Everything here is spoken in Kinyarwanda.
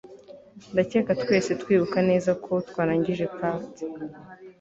Ndakeka twese twibuka neza uko twarangije part